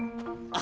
あ。